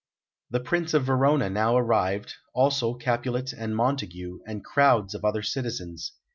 The Prince of Verona now arrived, also Capulet and Montague, and crowds of other citizens.